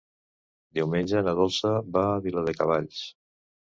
Diumenge na Dolça va a Viladecavalls.